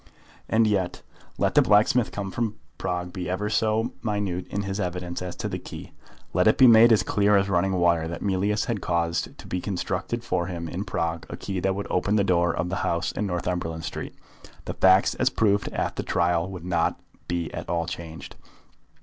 And yet, let the blacksmith from Prague be ever so minute in his evidence as to the key, let it be made as clear as running water that Mealyus had caused to be constructed for him in Prague a key that would open the door of the house in Northumberland Street, the facts as proved at the trial would not be at all changed.